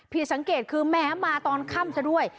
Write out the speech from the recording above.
ผิดสังเกตคือแม้มาตอนค่ำซะด้วย